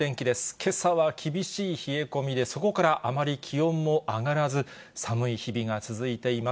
けさは厳しい冷え込みで、そこからあまり気温も上がらず、寒い日々が続いています。